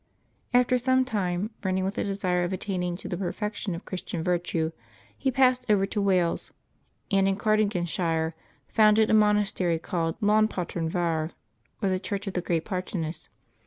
After some time, burning with a desire of attaining to the perfection of Christian virtue, he passed over to Wales, and in Cardiganshire founded a mon astery called Llan patern vaur, or the church of the great Paternus.